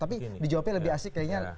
tapi dijawabnya lebih asik kayaknya